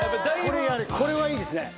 これはいいですね。